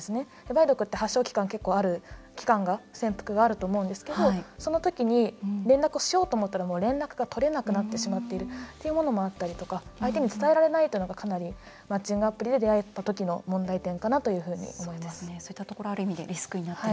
梅毒は、潜伏期間が結構あると思うんですけどその時に連絡しようと思ったらもう連絡が取れなくなってしまっているというものもあったりとか相手に伝えられないということがマッチングアプリで出会った時の問題点かなと思います。